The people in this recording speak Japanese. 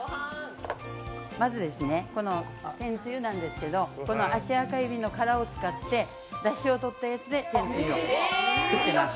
まず、天つゆなんですけどこの足赤えびの殻を使ってだしをとったやつで天つゆを作っています。